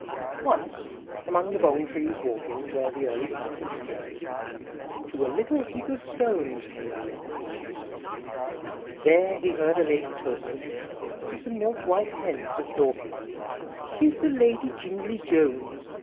II. Once, among the Bong trees walking Where the early pumpkins blow, To a little heap of stones Came the Yonghy Bonghy Bò. There he heard a Lady talking, To some milk white Hens of Dorking, "'Tis the Lady Jingly Jones!